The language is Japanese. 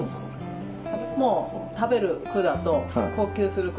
もう食べる管と呼吸する管